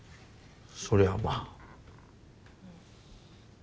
そりゃあまあ。